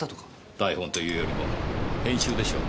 台本というよりも編集でしょう。